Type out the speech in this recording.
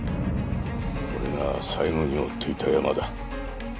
俺が最後に追っていたヤマだ。